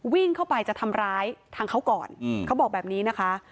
วิ่งเข้าไปจะทำร้ายทางเขาก่อนเขาบอกแบบนี้นะคะ